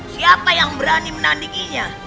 siapa yang berani menandinginya